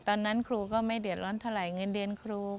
ตอนนั้นครูก็ไม่เดือดร้อนเท่าไหร่เงินเดือนครู